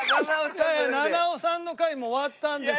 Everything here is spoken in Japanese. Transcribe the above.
いやいや菜々緒さんの回もう終わったんです。